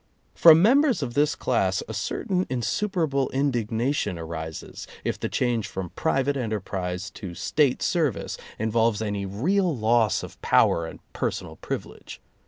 From members of this class a certain insuperable indignation arises if the change from private enterprise to State service involves any real loss of power and personal privilege.